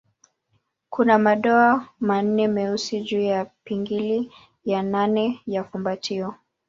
Kuna madoa manne meusi juu ya pingili ya nane ya fumbatio.